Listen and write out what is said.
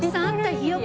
ひよこだ。